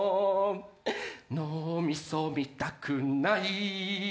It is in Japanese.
脳みそ見たくない？